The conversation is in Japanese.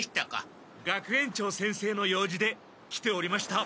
学園長先生の用事で来ておりました。